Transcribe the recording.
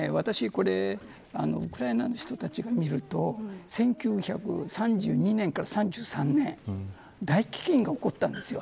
これウクライナの人たちから見ると１９３２年から３３年大飢饉が起こったんです。